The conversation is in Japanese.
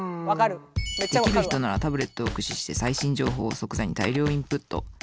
デキる人ならタブレットを駆使して最新情報を即座に大量インプット。